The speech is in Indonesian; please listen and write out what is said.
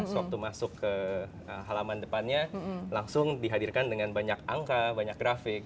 sewaktu masuk ke halaman depannya langsung dihadirkan dengan banyak angka banyak grafik